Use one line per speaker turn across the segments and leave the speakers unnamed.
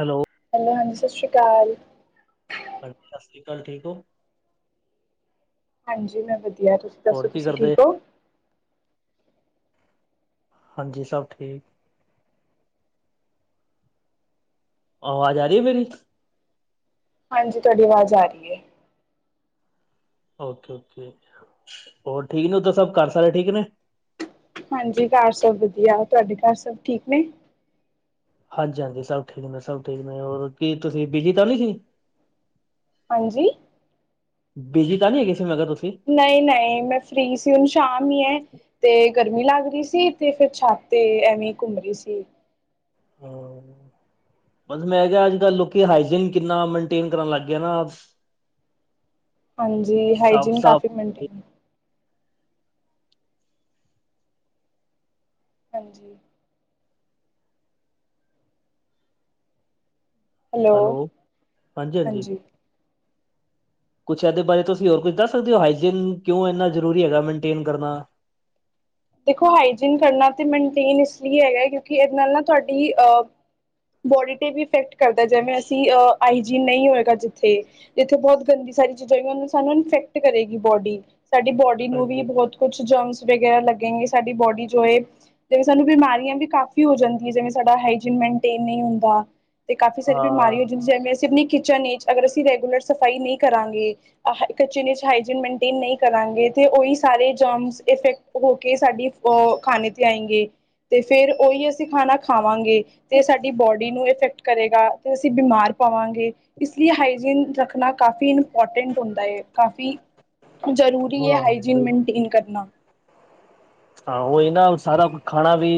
Hello.
Hello ਹਾਂਜੀ ਸਸ਼੍ਰੀ ਕਾਲ।
ਹਾਂਜੀ ਸਸ਼੍ਰੀ ਕਾਲ ਠੀਕ ਓ।
ਹਾਂਜੀ ਮੈਂ ਵਦੀਆ ਤੁਸੀਂ
ਹੋਰ
ਦੱਸੋ
ਕੀ
ਤੁਸੀਂ
ਕਰਦੇ
ਠੀਕ ਓ?
ਹਾਂਜੀ, ਸਭ ਠੀਕ। ਆਵਾਜ਼ ਆ ਰਹੀ ਹੈ ਮੇਰੀ
ਹਾਂਜੀ, ਤੁਹਾਡੀ ਆਵਾਜ਼ ਆ ਰਹੀ ਹੈ।
ਓਕੇ- ਓਕੇ, ਹੋਰ ਠੀਕ ਨੇ ਉੱਦਰ ਸਭ, ਘਰ ਸਾਰੇ ਠੀਕ ਨੇ
ਹਾਂਜੀ, ਘਰ ਸਭ ਵਧੀਆ‌, ਤੁਹਾਡੇ ਘਰ ਸਭ ਠੀਕ ਨੇ
ਹਾਂਜੀ -ਹਾਂਜੀ ਸਭ ਠੀਕ ਨੇ, ਸਭ ਠੀਕ ਨੇ, ਕੀ ਤੁਸੀਂ ਬਿਜੀ ਤਾਂ ਨੀ ਸੀ?
ਹਾਂਜੀ
ਬੀਜੀ ਤਾਂ ਨਹੀਂ ਹੈਗੇ ਸੀ, ਮੈਂ ਕਿਹਾ, ਤੁਸੀਂ?
ਨਹੀਂ -ਨਹੀਂ, ਮੈਂ ਫਿਰ ਸੀ, ਹੁਣ ਸ਼ਾਮ ਹੀ ਹੈ। ਤੇ ਗਰਮੀ ਲੱਗ ਰਹੀ ਸੀ, ਤੇ ਫਿਰ ਛਾਤ ਤੇ ਐਵੇਂ ਘੁੰਮ ਰਹੀ ਸੀ।
ਹਮ ਬਸ ਮੈਂ ਕਿਹਾ, ਅੱਜ ਕੱਲ ਲੋਕੀ ਹਾਈਜੀਨ ਕਿੰਨਾ, ਮੇਨਟੇਨ ਕਰਨ ਲੱਗ ਗਿਆ ਨਾ।
ਹਾਂਜੀ
ਸਾਫ਼
ਹਾਈਜੀਨ ਕਾਫੀ
-ਸਾਫ਼
ਮੇਨਟੇਨ ਹਾਂਜੀ ਹੈਲੋ, ਹਾਂਜੀ
ਕੁਛ, ਇਹਦੇ ਬਾਰੇ ਤੁਸੀਂ ਹੋਰ ਕੁਝ ਦੱਸ ਸਕਦੇ ਹੋ? ਹਾਈਜੀਨ, ਕਿਉਂ ਇੰਨਾ ਜ਼ਰੂਰੀ ਹੈਗਾ, ਮੇਨਟੇਨ ਕਰਨਾ?
ਦੇਖੋ, ਹਾਈਜੀਨ ਕਰਨਾ ਤੇ ਮੇਨਟੇਨ ਇਸ ਲਈ ਹੈਗਾ, ਕਿਉਂਕਿ, ਇਹਦੇ ਨਾਲ ਨਾ ਤੁਹਾਡੀ ਆ। ਬੋਡੀ ਤੇ ਵੀ ਇਫੈਕਟ ਕਰਦਾ, ਜਿਵੇਂ ਅਸੀਂ ਆਈਜੀਨ ਨਹੀਂ ਹੋਏਗਾ, ਜਿੱਥੇ ਜਿੱਥੇ, ਬਹੁਤ ਗੰਦੀ ਸਾਰੀ ਚੀਜ਼ਾਂ ਹੋਗੀਆਂ, ਉਹ ਸਾਨੂੰ ਇਨਫੈਕਟ ਕਰੇਗੀ, ਬੋਡੀ ਸਾਡੀ ਬੋਡੀ ਨੂੰ ਵੀ
ਹਾਂਜੀ
ਬਹੁਤ ਕੁਛ ਜਮਸ ਵਗੈਰਾ ਲੱਗੇਗੇ, ਸਾਡੀ ਬੋਡੀ ਜੋ ਏ। ਜਿਵੇਂ, ਸਾਨੂੰ ਬਿਮਾਰੀਆਂ ਵੀ ਕਾਫ਼ੀ ਹੋ ਜਾਂਦੀਆਂ, ਜਿਵੇਂ, ਸਾਡਾ ਹਾਈਜੀਨ ਮੇਨਟੇਨ ਨਹੀਂ ਹੁੰਦਾ। ਤੇ ਕਾਫੀ ਸਾਰੀ
ਹਾਂ
ਬਿਮਾਰੀ ਹੋ ਜਾਂਦੀ, ਜਿਵੇਂ, ਅਸੀਂ ਆਪਣੀ ਕਿਚਨ ਵਿੱਚ ਅਗਰ ਅਸੀਂ, ਰੈਗੂਲਰ ਸਫ਼ਾਈ ਨਹੀਂ ਕਰਾਂਗੇ। ਹਨ, ਜਿਵੇਂ ਹਾਈ ਜੀਨ ਮੇਨਟਨ ਨਹੀਂ ਕਰਾਂਗੇ ਤੇ ਉਹੀ ਸਾਰੇ ਜਾਮਸ ਇਫੈਕਟ ਕੇ ਸਾਡੀ ਉਹ ਖਾਣੇ ਤੇ ਆਏਂ ਗ, ਤੇ ਫੇਿਰ ਉਹੀ ਅਸੀਂ ਖਾਣਾ ਖਾਵਾਂਗੇ। ਤੇ ਸਾਡੀ ਬੋਡੀ ਨੂੰ ਇਫੈਕਟ ਕਰੇਗਾ, ਤੇ ਅਸੀਂ ਬਿਮਾਰ ਪਾਵਾਂਗੇ। ਇਸ ਲਈ ਹਾਈਜੀੀਨ ਰੱਖਣਾ,, ਕਾਫ਼ੀ ਇੰਪੋਰਟੈਂਟ ਹੁੰਦਾ ਹੈ ਕਾਫੀ ਜ਼ਰੂਰੀ ਹੈ,
ਹਾਂ
ਹਾਈਜਨ
ਬਿਲਕੁਲ
ਮੈਨਟੇਨ ਕਰਨਾ।
ਹਾਂ, ਉਹੀ ਨਾ ਸਾਰਾ ਖਾਣਾ ਵੀ,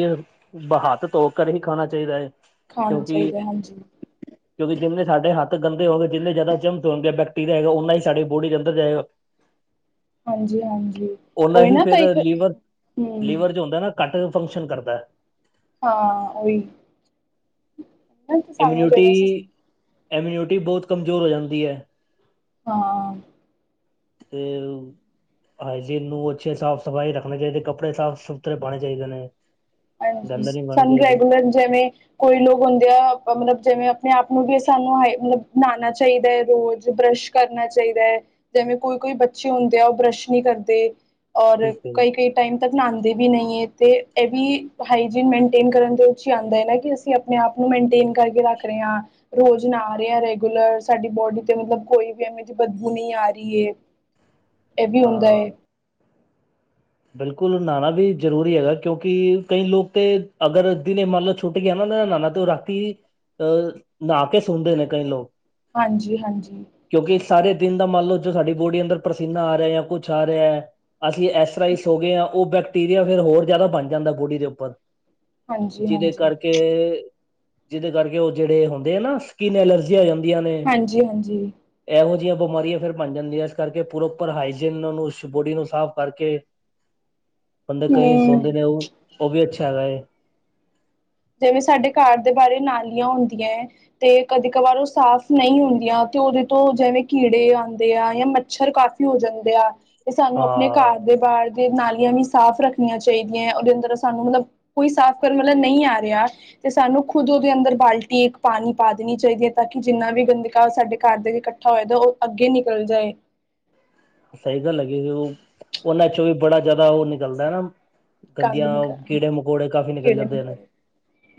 ਹੱਥ ਧੋ ਕਰ ਹੀ ਖਾਣਾ ਚਾਹੀਦਾ ਹੈ।
ਖਾਣਾ
ਕਿਉਂਕਿ
ਚਾਹੀਦਾ ਹੈ ਹਾਂਜੀ
[inaudible] ਕਿਉਂਕਿ ਜਿੰਨੇ ਸਾਡੇ ਹਥ ਗਦੇ ਹੋ ਗਏ, ਜਿੰਨੇ ਜ਼ਿਆਦਾ ਚਮ ਹੁੰਦੇ ਬੈਕਟੀਰੀਆ ਹੈਗਾ, ਉਓਨਾ ਹੀ ਸਾਡੀ ਬੋਡੀ ਦੇ ਅੰਦਰ ਜਾਏਗਾ।
ਹਾਂਜੀ ਹਾਂਜੀ
ਉਹਨਾ
ਉਹੀ
ਹੀ
ਨਾ
ਫੇਿਰ
ਕਈ
ਲੀਵਰ
ਹਮ
ਲੀਵਰ ਜੋ ਹੁੰਦਾ ਨਾ, ਘੱਟ ਫੰਕਸ਼ਨ ਕਰਦਾ।
ਹਾਂ, ਉਹੀ ਤੇ ਸਾਨੂੰ
ਇਮਿਊਨਿਟੀ,
ਚਾਹੀਦਾ ਸੀ
ਇਮਿਊਨਿਟੀ, ਬਹੁਤ ਕਮਜ਼ੋਰ ਹੋ ਜਾਂਦੀ ਹੈ।
ਹਾਂ
[inaudible] ਹਾਈਜੀਨ ਨੂੰ ਅੱਛੇ ਸਾਫ਼ ਸਫ਼ਾਈ ਰੱਖਣੇ ਚਾਹੀਦੇ, ਕੱਪੜੇ ਸਾਫ਼ ਸੁਥਰੇ ਪਾਉਣੇ ਚਾਹੀਦੇ ਨੇ
ਹਾਂਜੀ,
ਗੰਦੇ ਨਹੀਂ ਪਾਉਣੇ
ਸਾਨੂੰ
ਚਾਹੀਦੇ
ਰੈਗੂਲਰ ਜਿਵੇਂ ਕੋਈ ਲੋਕ ਹੁੰਦੇ ਆ, ਮਤਲਬ ਜਿਵੇਂ ਆਪਣੇ ਆਪ ਨੂੰ ਵੀ ਸਾਨੂੰ ਹ ਮਤਲਬ ਨਹਾਉਣਾ ਚਾਹੀਦਾ ਹੈ, ਰੋਜ਼ ਬਰੱਸ਼ ਕਰਨਾ ਚਾਹੀਦਾ ਹੈ, ਜਿਵੇਂ, ਕੋਈ -ਕੋਈ ਬੱਚੇ ਹੁੰਦੇ ਆ, ਉਹ ਬਰੱਸ਼ ਨਹੀਂੀ ਕਰਦੇ। ਔਰ,
ਬਿਲਕੁਲ
ਕਈ- ਕਈ ਟਾਈਮ ਤੱਕ ਨਹਾਉਂਦੇ ਵੀ ਨਹੀਂ ਹੈ, ਤੇ ਇਹ ਵੀ ਹਾਈ ਜਿਨ ਮੇਨਟੇਨ ਕਰਨ ਦੇ ਵਿਚ ਹੀ ਆਉਂਦਾ ਨਾ, ਕਿ, ਅਸੀਂ ਆਪਣੇ ਆਪ ਨੂੰ ਮੇਨਟੇਨ ਕਰਕੇ ਰੱਖ ਰਹੇ ਹਾਂ। ਰੋਜ਼ ਨਾ ਰਿਹਾ ਰੈਗੂਲਰ, ਸਾਡੀ ਬੋਡੀ ਤੇ ਮਤਲਬ ਕੋਈ ਵੀਵੇਂ ਦੀ ਬਦਬੂ ਨਹੀਂ ਆ ਰਹੀ ਹੈ, ਇਹ ਵੀ ਹੁੰਦਾ।
ਹਾਂ ਬਿਲਕੁਲ ਨਹਾਣਾ ਵੀ ਜ਼ਰੂਰੀ ਹੈਗਾ ਕਿਉਂਕਿ ਕਈ ਲੋਕ ਤੇ ਅਗਰ ਦਿਨੇ ਮਨ ਲ ਛੁੱਟ ਗਿਆ ਨਾਨਾ ਤੇ ਓ ਰਾਤੀ ਅਹ ਨਹਾ ਕੇ ਸੁਣਦੇ ਨੇ ਕਈ ਲੋਕ
ਹਾਂਜੀ-ਹਾਂਜੀ
ਕਿਉਂਕਿ ਸਾਰੇ ਦਿਨ ਦਾ ਮੰਨ ਲਓ ਜੋ ਸਾਡੀ ਬੋਡੀ ਅੰਦਰ ਪਰਸੀਨਾ ਆ ਰਿਆ ਜਾਂ ਕੁਛ ਆ ਰਿਆ ਐ ਅਸੀਂ ਐ ਸੋ ਗੇ ਆਂ ਓ ਬੈਕਟੀਰੀਆ ਫਿਰ ਹੋਰ ਜਾਦਾ ਬਣ ਜਾਂਦਾ ਬੋਡੀ ਦੇ ਉੱਪਰ
ਹਾਂਜੀ
ਜਿਦੇ
ਹਾਂਜੀ
ਕਰਕੇ ਜਿਦੇ ਕਰਕੇ ਓ ਜੇੜੇ ਹੁੰਦੇ ਆ ਨਾ ਸਕਿੰਨ ਐਲਰਜੀ ਹੋ ਜਾਂਦੀਆਂ ਨੇ।
ਹਾਂਜੀ ਹਾਂਜੀ
ਇਹੋ ਜਿਹੀਆਂ ਬਿਮਾਰੀਆਂ ਫਿਰ ਬਣ ਜਾਂਦੀਆਂ ਇਸ ਕਰਕੇ ਪੋਪਰ ਹਾਈਜੀਨ ਨੂੰ ਬੋਡੀ ਨੂੰ ਸਾਫ਼ ਕਰਕੇ ਬੰਦੇ ਕਈ ਸੋ
ਹਮ
ਦੇ ਨੇ ਓ-ਓ ਵੀ ਅੱਛਾ ਹੈਗਾ ਏ।
ਜਿਵੇਂ ਸਾਡੇ ਘਰ ਦੇ ਬਾਰੇ ਨਾਲੀਆਂ ਹੁੰਦੀਐ ਤੇ ਕਦੇ ਕਵਾਰ ਓ ਸਾਫ਼ ਨਈ ਹੁੰਦੀਆਂ ਤੇ ਉਦੇ ਤੋਂ ਜਿਵੇਂ ਕੀੜੇ ਆਂਦੇ ਆ ਜਾਂ ਮੱਛਰ ਕਾਫ ਹੋ ਜਾਂਦੇ ਆ ਤੇ ਸਾਨੂੰ ਆਪਣੇ
ਹਾਂ
ਘਰ ਦੇ ਬਾਰ ਦੇ ਨਾਲੀਆਂ ਵੀ ਸਾਫ਼ ਰੱਖਣੀਆਂ ਚਾਈਦੀਆਂ ਉਦੇ ਅੰਦਰ ਸਾਨੂੰ ਮਤਲਬ ਕੋਈ ਸਾਫ਼ ਕਰਨ ਮਤਲਬ ਨਈ ਆ ਬਿਆਸ ਤੇ ਸਾਨੂੰ ਖੁਦ ਉਦੇ ਅੰਦਰ ਬਾਲਟੀ ਇੱਕ ਪਾਣੀ ਪਾ ਦੇਣੀ ਚਾਈਦੀ ਐ ਤਾਂ ਕਿ ਜਿੰਨਾ ਵੀ ਬੰਦ ਕਾ ਸਾਡੇ ਘਰ ਦੇ ਭਾਵੇਂ ਤੇ ਓ ਅੱਗੇ ਨਿਕਲ ਜਾਏ।
ਸਈ ਗੱਲ ਹੈਗੀ ਓ ਉਨਾਂ ਚੋਂ ਵੀ ਬੜਾ ਜਾਦਾ ਓ ਨਿਕਲਦਾ ਐ ਨਾ।
ਗੰਦ
ਗੰਦੀਆਂ
ਨਿਕਲ ਹਾਂ
ਕੀੜੇ ਮਕੌੜੇ ਕਾਫੀ ਨਿਕਲ
ਕੀੜੇ
ਜਾਂਦੇ ਨੇ।
ਮਕੌੜੇ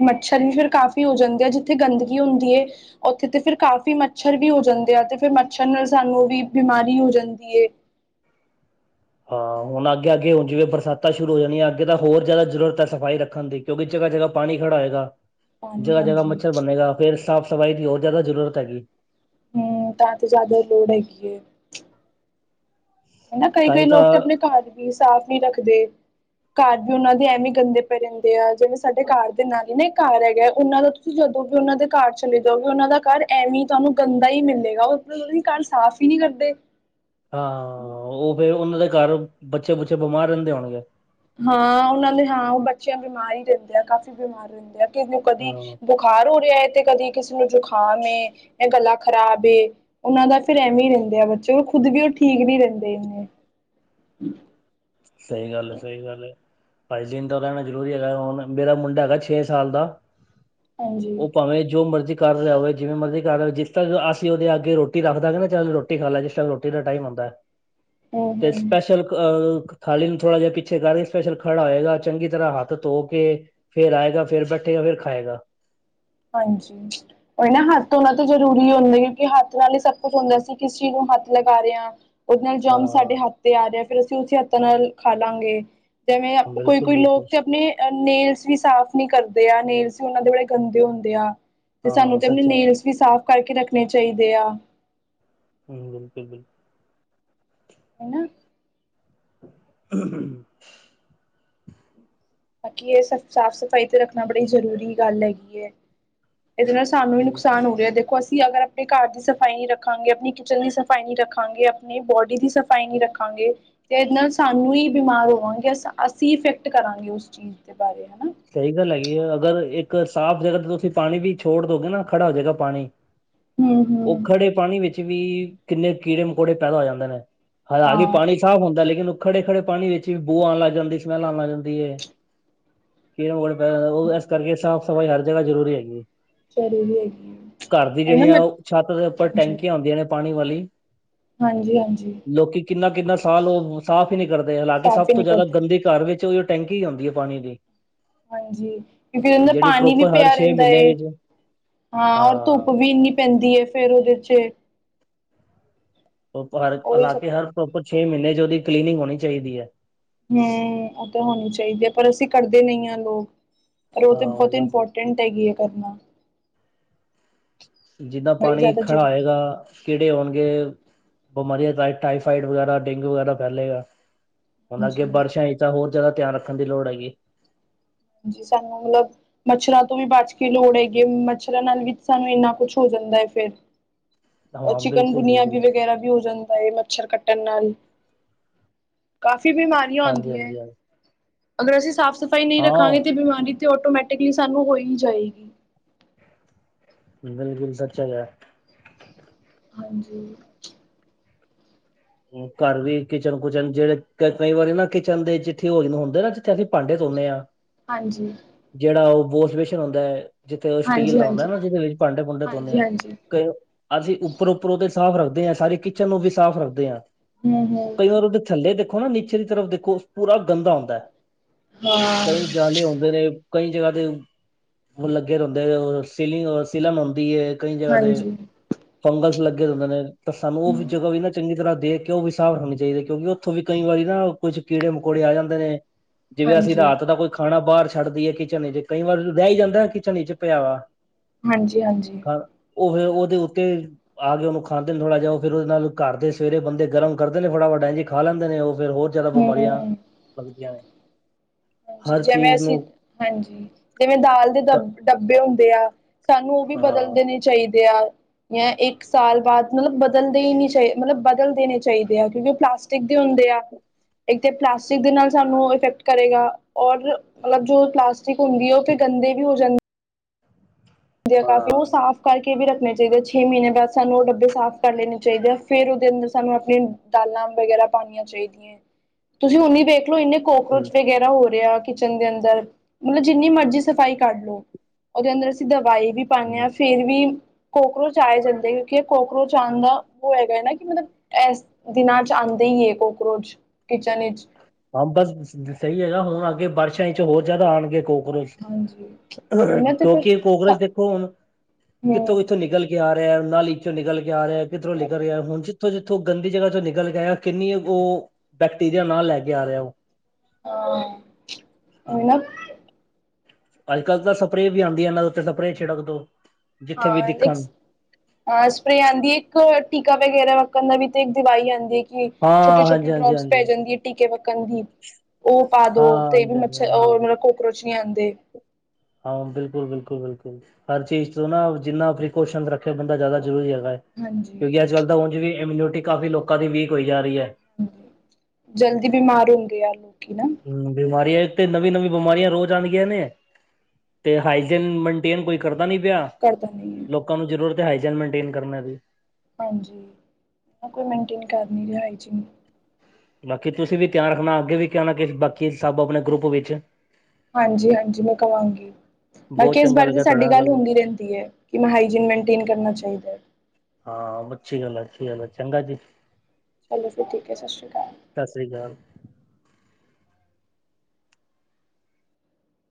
ਮੱਛਰ ਵੀ ਫਿਰ ਕਾਫ਼ੀ ਹੋ ਜਾਂਦੇ ਜਿੱਥੇ ਗੰਦਗੀ ਹੁੰਦੀ ਐ। ਉੱਥੇ ਤੇ ਫਿਰ ਕਾਫੀ ਮੱਛਰ ਵੀ ਹੋ ਜਾਂਦੇ ਆ ਤੇ ਫਿਰ ਮੱਛਰ ਨਾਲ ਸਾਨੂੰ ਵੀ ਬਿਮਾਰੀ ਹੋ ਜਾਂਦੀ ਏ।
ਹਾਂ ਹੁਣ ਅੱਗੇ-ਅੱਗੇ ਹੁਣ ਜਿਵੇਂ ਬਰਸਾਤਾਂ ਸ਼ੁਰੂ ਹੋ ਜਾਣੀਆਂ ਅੱਗੇ ਤਾਂ ਹੋਰ ਜਾਦਾ ਜ਼ਰੂਰਤ ਹੈ ਸਫ਼ਾਈ ਰੱਖਣ ਦੀ ਕਿਉਂਕਿ ਜਗਾ-ਜਗਾ ਪਾਣੀ ਖੜਾ ਹੋਏਗਾ।
ਪਾਣੀ
ਜਗ੍ਹਾ-ਜਗ੍ਹਾ
ਹਾਂਜੀ
ਮੱਛਰ ਬਣੇਗਾ ਫੇਰ ਸਾਫ਼ ਸਫ਼ਾਈ ਦੀ ਹੋਰ ਜਾਦਾ ਜ਼ਰੂਰਤ ਹੈਗੀ।
ਹੂੰ ਤਾਂ ਤੇ ਜਾਦਾ ਈ ਲੋੜ ਹੈਗੀ ਏ। ਹਨਾ
ਤਾਂ
ਕਈ-ਕਈ
ਹੀ ਤਾਂ
ਲੋਕ ਤੇ ਆਪਣੇ ਘਰ ਵੀ ਸਾਫ਼ ਨਈ ਰੱਖਦੇ। ਘਰ ਵੀ ਉਨਾਂ ਦੇ ਐਵੇਂ ਗੰਦੇ ਪਏ ਰੈਂਦੇ ਆ ਜਿਵੇਂ ਸਾਡੇ ਘਰ ਦੇ ਨਾਲ ਹੀ ਨਾ ਘਰ ਹੈਗਾ ਉਨਾਂ ਦਾ ਤੁਸੀਂ ਜਦੋਂ ਵੀ ਉਨਾਂ ਦੇ ਘਰ ਚਲੇ ਜਾਓਗੇ ਉਨਾਂ ਦਾ ਘਰ ਐਵੇਂ ਤੁਹਾਨੂੰ ਗੰਦਾ ਈ ਮਿਲੇਗਾ। ਮਤਲਬ ਉਦੀ ਘਰ ਸਾਫ਼ ਈ ਨਈ ਕਰਦੇ।
ਹਾਂ ਓ ਫੇਰ ਉਨਾਂ ਦੇ ਘਰ ਬੱਚੇ ਬੁਚੇ ਬਿਮਾਰ ਰੈਂਦੇ ਹੋਣਗੇ।
ਹਾਂ ਉਨਾਂ ਦੇ ਹਾਂ ਓ ਬੱਚਿਆਂ ਬਿਮਾਰ ਈ ਰੈਂਦੇ ਆ ਕਾਫੀ ਬਿਮਾਰ ਰੈਦੇ ਆ। ਕਿਸੇ ਨੂੰ ਕਦੀ
ਹਾਂ
ਬੁਖਾਰ ਹੋ ਰਿਆ ਏ ਤੇ ਕਦੀ ਕਿਸੇ ਨੂੰ ਜੁਕਾਮ ਇਹ ਗੱਲਾਂ ਖ਼ਰਾਬ ਏ ਉਨਾਂ ਦਾ ਫਿਰ ਐਵੇਂ ਹੀ ਰੈਦੇ ਆ ਬੱਚੇ ਖੁਦ ਵੀ ਓ ਠੀਕ ਨਈ ਰੈਂਦੇ ਇਨੇ
ਸਈ ਗੱਲ ਏ-ਸਈ ਗੱਲ ਏ ਹਾਏ ਜੀਨ ਤਾਂ ਰੈਣਾ ਜ਼ਰੂਰੀ ਹੈਗਾ ਹੁਣ ਮੇਰਾ ਮੁੰਡਾ ਹੈਗਾ ਛੇ ਸਾਲ ਦਾ
ਹਾਂਜੀ
ਓ ਭਾਵੇਂ ਜੋ ਮਰਜ਼ੀ ਕਰ ਰਿਆ ਹੋਵੇ ਜਿਵੇਂ ਮਰਜ਼ੀ ਕਰ ਰਿਆ ਹੋ ਜਿਸ ਤੱਕ ਅਸੀਂ ਉਦੇ ਅੱਗੇ ਰੋਟੀ ਰੱਖ ਦਾਂਗੇ ਨਾ ਚੱਲ ਰੋਟੀ ਖਾ ਲੈ ਜਿਸ ਤੱਕ ਰੋਟੀ ਦਾ ਟਾਈਮ ਹੁੰਦਾ।
ਹੂੰ
ਤੇ
ਹੂੰ
ਸਪੈਸ਼ਲ ਅ ਥਾਲੀ ਨੂੰ ਥੋੜਾ ਜਿਹਾ ਪਿੱਛੇ ਕਰਕੇ ਸਪੈਸ਼ਲ ਖੜਾ ਹੋਏਗਾ ਚੰਗੀ ਤਰ੍ਹਾਂ ਹੱਥ ਧੋ ਕੇ ਫੇਰ ਆਏਗਾ ਫੇਰ ਬੈਠੇਗਾ ਫੇਰ ਖਾਏਗਾ।
ਹਾਂਜੀ ਏ ਨਾ ਹੱਥ ਧੋਣਾ ਤਾਂ ਜ਼ਰੂਰੀ ਹੁੰਦਾ ਕਿਉਂਕਿ ਹੱਥ ਨਾਲ ਹੀ ਸਭ ਕੁਛ ਹੁੰਦਾ ਸੀ ਕਿਸੀ ਚੀਜ਼ ਨੂੰ ਹੱਥ ਲਗਾ ਰਏ ਆਂ। ਉਦੇ ਨਾਲ ਜੰਮ ਸਾਡੇ ਹੱਥ
ਹਾਂ
ਤੇ ਆ ਰਿਆ ਫੇਰ ਅਸੀਂ ਉਸੇ ਹੱਥਾਂ ਨਾਲ ਖਾ ਲਾਂਗੇ। ਜਿਵੇਂ
ਬਿਲਕੁਲ
ਕੋਈ-ਕੋਈ
ਬਿਲਕੁਲ
ਲੋਕ ਤੇ ਅਪਣੇ ਏ ਨੇਲਸ ਵੀ ਸਾਫ਼ ਨਈ ਕਰਦੇ ਆ ਨੇਲਸ ਵੀ ਉਨਾਂ ਦੇ ਬੜੇ ਗੰਦੇ ਹੁੰਦੇ ਆ। ਤੇ ਸਾਨੂੰ
ਹਾਂ
ਕੈਂਦੇ
ਸੱਚ ਹੈ
ਨੇਲਸ ਵੀ ਸਾਫ਼ ਕਰਕੇ ਰੱਖਣੇ ਚਾਈਦੇ ਆ।
ਹੂੰ ਬਿਲਕੁਲ-ਬਿਲਕਲ
ਹਨਾ।
[unintelligible]
ਬਾਕੀ ਇਹ ਸਬ ਸਾਫ਼ ਸਫ਼ਾਈ ਤੇ ਰੱਖਣਾ ਬੜੀ ਜ਼ਰੂਰੀ ਗੱਲ ਹੈਗੀ ਹੈ, ਇਹਦੇ ਨਾਲ ਸਾਨੂੰ ਵੀ ਨੁਕਸਾਨ ਹੋਗਿਆ ਦੇ ਦੇਖੋ ਅਸੀਂ ਅਗਰ ਆਪਣੇ ਘਰ ਦੀ ਸਫ਼ਾਈ ਨੀ ਰੱਖਾਂਗੇ, ਆਪਣੀ ਕਿਚਨ ਦੀ ਸਫ਼ਾਈ ਨੀ ਰੱਖਾਗੇ, ਆਪਣੇ ਬੋਡੀ ਦੀ ਸਫ਼ਾਈ ਸਫਾਈ ਨਹੀਂ ਰੱਖਾਂਗੇ ਤੇ ਇਹਦੇ ਨਾਲ ਸਾਨੂੰ ਹੀ ਬਿਮਾਰ ਹੋਵਾਂਗੇ ਅ ਅਸੀਂ ਇਫੈਕਟ ਕਰਾਂਗੇ ਉਸ ਚੀਜ਼ ਦੇ ਬਾਰੇ ਹਨਾ।
ਸਹੀ ਗੱਲ ਹੈਗੀ ਹੈ, ਅਗਰ ਇੱਕ ਸਾਫ਼ ਜਗ੍ਹਾ ਤੇ ਤੁਸੀਂ ਪਾਣੀ ਵੀ ਛੋੜ ਦੋਗੇ ਨਾ ਖੜਾ ਹੋਜੇ ਗਾ ਪਾਣੀ।
ਹਮ
ਔਹ
ਹਮ
ਖੜੇ ਪਾਣੀ ਵਿੱਚ ਵੀ ਕਿੰਨੇ ਕੀੜੇ ਮਕੌੜੇ ਪੈਦਾ ਹੋ ਜਾਂਦੇ ਨੇ, ਹਾਲਾਂਕਿ
ਹਾਂ
ਪਾਣੀ ਸਾਫ ਹੁੰਦਾ ਲੇਕਿਨ ਉਹ ਖੜੇ-ਖੜੇ ਪਾਣੀ ਵਿੱਚ ਵੀ ਬੋਅ ਆ ਲੱਗ ਜਾਂਦੀ ਏ ਸਮੈਲ ਆ ਲੱਗ ਜਾਂਦੀ ਏ। ਕੀ ਹੋਰ ਅ ਓ ਇਸ ਕਰਕੇ ਸਾਫ਼ ਸਫ਼ਾਈ ਹਰ ਜਗਾ ਜਰੂਰੀ ਹੈਗੀ ਏ।
ਜ਼ਰੂਰੀ ਹੈਗੀ ਹੈ
ਘਰ ਦੀ
ਉਹੀ ਨਾ
ਜਿਹੜੀਆ
ਮੈਂ
ਉਹ ਛੱਤ ਦੇ ਉੱਪਰ ਟੈਂਕੀਆਂ ਹੁੰਦੀਆਂ ਨੇ ਪਾਣੀ ਵਾਲੀ
ਹਾਂਜੀ-ਹਾਂਜੀ।
ਲੋਕੀ ਕਿੰਨਾ-ਕਿੰਨਾ ਸਾਲ ਉਹ ਸਾਫ਼ ਹੀ ਨਹੀਂ ਕਰਦੇ, ਹਾਲਾਂਕਿ
ਸਾਫ਼
ਸਭ
ਹੀ
ਤੋਂ
ਨਹੀਂ
ਜ਼ਿਆਦਾ
ਕਰਦੇ
ਗੰਦੀ ਘਰ ਵਿੱਚ ਉਹ ਟੈਂਕੀ ਹੀ ਹੋਂਦੀ ਏ ਪਾਣੀ ਦੀ।
ਹਾਂਜੀ, ਕਿਉਂਕਿ ਉਹ ਦਾ
ਜਿਹੜੀ
ਪਾਣੀ ਵੀ
ਪ੍ਰੋਪਰ ਹਰ
ਪਿਆ
ਛੇ
ਰਹਿੰਦਾ
ਮਹੀਨੇ
ਏ,
ਵਿੱਚ
ਹਾਂ ਔਰ ਧੁੱਪ ਵੀ ਇੰਨੀ ਪੈਂਦੀ ਹੈ ਫੇਰ ਉਹਦੇ ਚ
ਹਰ
ਉਹੀ ਸਭ
ਇਲਾਕੇ ਹਰ ਪ੍ਰਪਰ ਛੇ ਮਹੀਨੇ ਚ ਉਹਦੀ ਕਲੀਨਿੰਗ ਹੋਣੀ ਚਾਹੀਦੀ ਐ।
ਹੂੰ, ਓਹ ਤਾਂ ਹੋਣੀ ਚਾਹੀਦੀ ਹੈ, ਪਰ ਅਸੀਂ ਕਰਦੇ ਨਹੀਂ ਹਾਂ ਲੋਕ ਪਰ ਉਹ ਤਾਂ
ਹਾਂ
ਬਹੁਤ
ਬਸ
ਇੰਪੋਰਟੈਂਟ ਹੈਗੀ ਹੈ ਕਰਨਾ।
ਜਿੱਦਾਂ
ਬੜੀ
ਪਾਣੀ
ਜ਼ਿਆਦਾ
ਖੜਾ
ਜ਼ਰੂਰੀ
ਹੋਏਗਾ, ਕਿਹੜੇ ਹੋਣਗੇ ਬਿਮਾਰੀਆਂ ਟਾਈਫਾਈਡ ਵਗੈਰਾ ਡੇਂਗੂ ਵਗੈਰਾ ਫੈਲੇਗਾ। ਹੁਣ ਅੱਗੇ
ਹਾਂਜੀ
ਬਾਰਸ਼ਾ
ਹਾਂਜੀ
ਹੀ ਤਾਂ ਹੋਰ ਜਿਆਦਾ ਧਿਆਨ ਰੱਖਣ ਦੀ ਲੋੜ ਹੈਗੀ।
ਜੀ ਸਾਨੂੰ ਮਤਲਬ ਮੱਛਰਾਂ ਤੋਂ ਵੀ ਬਚ ਕੇ ਲੋੜ ਹੈਗੀ ਐ, ਮੱਛਰਾਂ ਨਾਲ ਵੀ ਸਾਨੂੰ ਇੰਨਾ ਕੁਛ ਹੋ ਜਾਂਦਾ ਹੈ ਫੇਰ
ਹਾਂ ਬਿਲਕੁਲ
ਚਿਕਨਗੁਨਿਆ ਵੀ
ਬਿਲਕੁਲ
ਵਗੈਰਾ ਵੀ ਹੋ ਜਾਂਦਾ ਹੈ, ਮਤਲਬ ਮੱਛਰ ਕੱਟਣ ਨਾਲ, ਕਾਫ਼ੀ ਬਿਮਾਰੀ
ਹਾਂਜੀ, ਹਾਂਜੀ, ਹਾਂਜੀ।
ਅਗਰ ਅਸੀਂ ਸਾਫ਼ ਸਫ਼ਾਈ ਨਹੀਂ ਰੱਖਾਂਗੇ ਤੇ
ਹਾਂ
ਬਿਮਾਰੀ ਤੇ ਆਟੋਮੈਟਿਕਲੀ ਸਾਨੂੰ ਹੋਈ ਜਾਏਗੀ।
ਬਿਲਕੁਲ ਸੱਚ ਹੈਗਾ।
ਹਾਂਜੀ।
ਘਰ ਵੀ ਕਿਚਨ-ਕੁਚਨ ਚ ਜਿਹੜੇ ਕ ਕਈ ਵਾਰੀ ਨਾ ਕਿਚਨ ਦੇ ਜਿੱਥੇ ਨਾ ਹੁੰਦੇ ਨਾ, ਥੇ ਅਸੀਂ ਭਾਂਡੇ ਧੋਨੇ ਹਾਂ,
ਹਾਂਜੀ
ਜਿਹੜਾ ਉਹ ਬੋਥਵੇਸ਼ਨ ਹੁੰਦਾ ਹੈ। ਜਿੱਥੇ ਉਹ ਸਟੀਲ
ਹਾਂਜੀ
ਦਾ ਹੁੰਦਾ
ਹਾਂਜੀ
ਨਾ, ਜਿਹਦੇ ਵਿੱਚ ਭਾਂਡੇ-ਭੂੰਡੇ ਧੋਂਦੇ
ਹਾਂਜੀ
ਆ,
ਹਾਂਜੀ
ਕਈ ਅਸੀਂ ਉੱਪਰੋਂ-ਉੱਪਰੋਂ ਤੇ ਸਾਫ਼ ਰੱਖਦੇ ਹਾਂ, ਸਾਰੀ ਕਿਚਨ ਨੂੰ ਵੀ ਸਾਫ਼ ਰੱਖਦੇ ਹਾਂ,
ਹਮ ਹਮ
ਕਈ ਵਾਰ ਉਹਦੇ ਥੱਲੇ ਦੇਖੋ ਨਾ ਨੀਚੇ ਦੀ ਤਰਫ਼ ਦੇਖੋ, ਪੂਰਾ ਗੰਦਾ ਹੁੰਦਾ ਹੈ।
ਹਾਂ।
ਕਈ ਜਾਲੇ ਹੁੰਦੇ ਨੇ ਕਈ ਜਗ੍ਹਾ ਤੇ, ਲੱਗੇ ਰਹਿੰਦੇ ਔਰ ਸੀਲਿੰਗ ਸੀਲਨ ਹੁੰਦੀ ਏ‌। ਕਈ ਜਗ੍ਹਾ ਤੇ
ਹਾਂਜੀ
ਫੰਗਸ ਲੱਗੇ ਹੁੰਦੇ ਨੇ, ਤਾਂ ਸਾਨੂੰ ਉਹ ਵੀ
ਹਮ
ਜਗ੍ਹਾ ਵੀ ਨਾ ਚੰਗੀ ਤਰ੍ਹਾਂ ਦੇਖ, ਕਿ ਉਹ ਵੀ ਸਾਫ ਹੋਣੇ ਚਾਹੀਦੇ, ਕਿਉਂਕਿ ਉੱਥੋਂ ਵੀ ਕਈ ਵਾਰੀ ਨਾ ਕੁੱਝ ਕੀੜੇ-ਮਕੌੜੇ ਆ ਜਾਂਦੇ ਨੇ। ਜਿਵੇਂ ਅਸੀਂ
ਹਾਂਜੀ
ਰਾਤ ਦਾ ਕੋਈ ਖਾਣਾ ਬਾਹਰ ਛੱਡ ਦੀਏ ਕਿਚਨ 'ਚ ਕਈ ਵਾਰ ਰਹਿ ਹੀ ਜਾਂਦਾ ਕਿਚਨ 'ਚ ਪਿਆ ਵਾ।
ਹਾਂਜੀ-ਹਾਂਜੀ।
ਖਾ ਉਹ ਫੇਰ ਉਹਦੇ ਉੱਤੇ ਆ ਕੇ ਉਹਨੂੰ ਖਾਂਦੇ ਨੇ ਥੋੜ੍ਹਾ ਜਿਹਾ, ਉਹ ਫੇਰ ਉਹਦੇ ਨਾਲ ਘਰ ਦੇ ਸਵੇਰੇ ਬੰਦੇ, ਗਰਮ ਕਰਦੇ ਨੇ ਫਟਾਫਟ ਇੰਜ ਹੀ ਖਾ ਲੈਂਦੇ ਨੇ, ਉਹ ਫਿਰ ਹੋਰ ਜ਼ਿਆਦਾ ਬਿਮਾਰੀਆਂ
ਹਮ
ਲੱਗਦੀਆਂ ਨੇ।
ਹਾਂਜੀ,
ਹਰ
ਜਿਵੇਂ
ਚੀਜ਼ ਨੂੰ
ਅਸੀਂ ਹਾਂਜੀ ਜਿਵੇਂ ਦਾਲ ਦੇ
ਹਾਂ
ਦਬ ਡੱਬੇ ਹੁੰਦੇ ਆ। ਸਾਨੂੰ ਉਹ ਵੀ ਬਦਲ ਦੇਣੇ ਚਾਹੀਦੇ ਆ। ਜਾਂ ਇੱਕ ਸਾਲ ਬਾਦ ਮਤਲਬ ਬਦਲਦੇ ਈ ਚਾ ਮਤਲਬ ਬਦਲ ਦੇਣੇ ਚਾਹੀਦੇ ਆ ਕਿਉਂਕਿ ਉਹ ਪਲਾਸਟਿਕ ਟਿਕ ਦੇ ਹੁੰਦੇ ਆ, ਇੱਕ ਤੇ ਪਲਾਸਟਿਕ ਦੇ ਨਾਲ ਸਾਨੂੰ ਇਫੈਕਟ ਕਰੇਗਾ। ਔਰ ਮਤਲਬ ਜੋ ਪਲਾਸਟਿਕ ਹੁੰਦੀ ਐ, ਉਹ ਫਿਰ ਗੰਦੇ ਵੀ ਹੋ ਜਾਂਦੀ ਦੀ ਆ ਕਾਫੀ ਉਹ
ਹਾਂ
ਸਾਫ਼ ਕਰਕੇ ਵੀ ਰੱਖਣੇ ਚਾਹੀਦੇ ਛੇ ਮਹੀਨੇ ਬਾਅਦ ਸਾਨੂੰ ਉਹ ਡੱਬੇ ਸਾਫ਼ ਕਰ ਲੈਣੇ ਚਾਹੀਦੇ ਆ ਫੇਰ ਉਹਦੇ ਅੰਦਰ ਸਾਨੂੰ ਆਪਣੇ ਦਾਲਾਂ ਵਗੈਰਾ ਪਾਣੀਆਂ ਚਾਹੀਦੀਆਂ, ਤੁਸੀਂ ਹੁਣ ਈ ਵੇਖਲੋ ਇੰਨੇ ਕੋਕਰੋਚ ਵਗੈਰਾ ਹੋ ਰਿਹਾ ਕਿਚਨ ਦੇ ਅੰਦਰ, ਮਤਲਬ ਜਿੰਨੀ ਮਰਜ਼ੀ ਸਫ਼ਾਈ ਕਰ ਲੋ, ਉਹਦੇ ਅੰਦਰ ਦਵਾਈ ਵੀ ਪਾਨੇ ਆ, ਫੇਰ ਵੀ ਕੋਕਰੋਚ ਆ ਈ ਜਾਂਦੇ, ਕਿਉਂਕਿ ਕੋਕਰੋਚ ਆਣ ਦਾ ਉਹ ਹੈਗਾ ਨਾ ਕਿ ਮਤਲਬ ਦਿਨਾਂ 'ਚ ਆਦੇ ਈ ਐ ਕੋਕਰੋਚ ਕਿਚਨ ਵਿੱਚ
ਹਾਂ ਬਸ ਸਹੀ ਹੈਗਾ, ਹੁਣ ਅੱਗੇ ਬਾਰਸ਼ਾ 'ਚ ਹੋਰ ਜ਼ਿਆਦਾ ਆਣਗੇ ਕੋ ਚ,
ਹਾਂਜੀ ਉਹਨਾਂ ਤੇ ਫਿਰ
ਕਿਉਂਕਿ ਕੋਕਰੋਚ ਦੇਖੋ ਹੁਣ,
ਹਮ
ਕਿੱਥੋਂ-ਕਿੱਥੋਂ ਨਿਕਲ ਕੇ ਆ ਰਿਹਾ ਨਾਲੀ 'ਚੋਂ ਨਿਕਲ ਕੇ ਆ ਰਿਆ, ਕਿਧਰੋਂ ਨਿਕਲ ਰਿਹਾ ਹੁਣ ਉਥੋਂ ਜਿੱਥੋਂ ਗੰਦੀ ਜਗ੍ਹਾ ਚੋਂ ਨਿਕਲ ਕੇ ਆਇਆ, ਕਿੰਨੀ ਉਹ ਬੈਕਟੀਰੀਆ ਨਾਲ ਲੈ ਕੇ ਆ ਰਿਆ ਉਹ।
ਹਾਂ, ਨਾ
ਅੱਜ-ਕੱਲ੍ਹ ਤਾਂ ਸਪਰੇਅ ਵੀ ਆਦੀ, ਇਹਨਾਂ ਦੇ ਉੱਤੇ ਸਪਰੇ ਛਿੜਕ ਦੋ ਜਿੱਥੇ ਵੀ
ਹਾਂ, ਇੱਕ
ਦਿਖਣ
ਹਾਂ ਸਪਰੇ ਆਦੀ ਐ, ਇੱਕ ਟੀਕਾ ਵਗੈਰਾ ਰੋਕਣ ਦੀ ਵੀ ਤੇ ਇੱਕ ਦਵਾਈ ਆਦੀ।
ਹਾਂ
ਛੋਟੀ-ਛੋਟੀ
ਹਾਂਜੀ ਹਾਂਜੀ
ਡਰੋਪਸ
ਹਾਂਜੀ
ਪੈ ਜਾਂਦੀ ਐ, ਟੀਕੇ ਪੱਕਣ ਦੀ। ਉਹ ਪਾ
ਹਾਂ
ਦੋ ਤੇ ਵੀ
ਹਾਂਜੀ ਹਾਂਜੀ
ਮੱਛਰ ਉਹ
ਹਾਂ
ਮਤਲਬ ਕੋਕਰੋਚ ਨੀ ਆਦੇ।
ਹਾਂ ਬਿਲਕੁਲ-ਬਿਲਕੁਲ-ਬਿਲਕੁਲ, ਹਰ ਚੀਜ਼ ਤੋਂ ਨਾ ਜਿੰਨਾ ਪ੍ਰੀਕੋਸ਼ਨ ਰੱਖੇ ਬੰਦਾ ਜ਼ਿਆਦਾ ਜ਼ਰੂਰੀ ਹੈਗਾ ਐ।
ਹਾਂਜੀ।
ਅੱਜ-ਕੱਲ ਤਾਂ ਉਂਜ ਵੀ ਇਮਿਊਨਿਟੀ ਕਾਫੀ ਲੋਕਾਂ ਦੀ ਵੀਕ ਹੋਈ ਜਾ ਰੀ ਐ।
ਜਲਦੀ ਬਿਮਾਰ ਹੁੰਦੇ ਆ ਲੋਕੀ ਨਾ।
ਹੂੰ ਬਿਮਾਰੀਆਂ ਇੱਕ ਤੇ ਨਵੀਂ-ਨਵੀਂ ਬਿਮਾਰੀਆਂ ਰੋਜ਼ ਆਦੀਆਂ ਨੇ। ਤੇ ਹਾਈਜਨ ਮੇਨਟੇਨ ਕੋਈ ਕਰਦਾ ਨੀ ਪਿਆ।
ਕਰਦਾ ਨੀ।
ਲੋਕਾਂ ਨੂੰ ਜ਼ਰੂਰਤ ਹੈ ਹਾਈਜਨ ਮੇਨਟੇਨ ਕਰਨੇ ਦੀ।
ਹਾਂਜੀ, ਕੋਈ ਮੇਨਟੇਨ ਕਰ ਨੀ ਰਿਹਾ ਹਾਈਜਨ
ਬਾਕੀ ਤੁਸੀਂ ਵੀ ਧਿਆਨ ਰੱਖਣਾ ਅੱਗੇ ਵੀ ਕਹਿਣਾ ਨਾ ਬਾਕੀ ਸਭ ਆਪਣੇ ਗਰੁੱਪ ਵਿੱਚ।
ਹਾਂਜੀ-ਹਾਂਜੀ ਮੈਂ ਕਵਾਂਗੀ। ਬਾਕੀ
ਬਹੁਤ
ਇਸ
ਚੰਗਾ
ਬਾਰੇ ਤੇ
ਲੱਗਿਆ ਤੁਹਾਡੇ
ਸਾਡੀ
ਨਾਲ
ਗੱਲ ਹੁੰਦੀ ਰਹਿੰਦੀ ਐ, ਕਿ ਹਾਈਜਨ ਮੇਨਟੇਨ ਕਰਨਾ ਚਾਹੀਦਾ ਐ।
ਹਾਂ ਅੱਛੀ ਗੱਲ ਐ ਅੱਛੀ ਗੱਲ ਐ, ਚੰਗਾ ਜੀ।
ਚਲੋ ਫਿਰ ਠੀਕ ਐ ਸਤਿ ਸ਼੍ਰੀ ਅਕਾਲ।
ਸਤਿ ਸ਼੍ਰੀ ਅਕਾਲ।